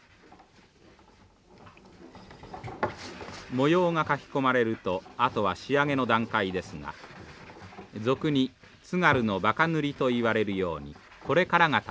模様が描き込まれるとあとは仕上げの段階ですが俗に津軽の馬鹿塗といわれるようにこれからが大変です。